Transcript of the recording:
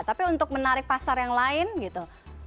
tapi untuk menarik pasar yang lain gitu